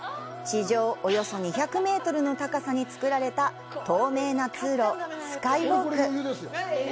地上およそ２００メートルの高さに造られた透明な通路、スカイウォーク。